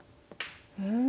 うん！